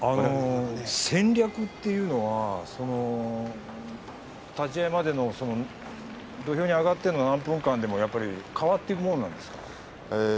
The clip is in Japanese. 戦略というのは立ち合いまでも土俵に上がっても何分間でも変わっていくもんなんですかね。